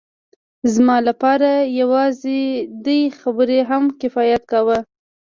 زما لپاره یوازې دې خبرې هم کفایت کاوه